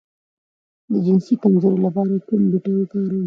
د جنسي کمزوری لپاره کوم بوټی وکاروم؟